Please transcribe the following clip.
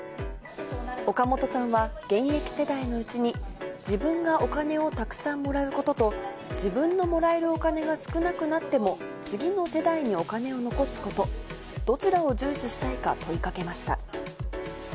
岡本さんは、現役世代のうちに、自分がお金をたくさんもらうことと、自分のもらえるお金が少なくなっても、次の世代にお金を残すこと、どちらを重視したいか問いかけました。